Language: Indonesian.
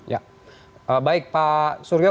ya baik pak suryo